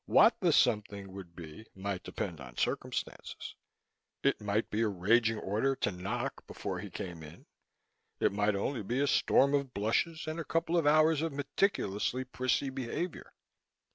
What the "something" would be might depend on circumstances; it might be a raging order to knock before he came in, it might only be a storm of blushes and a couple of hours of meticulously prissy behavior.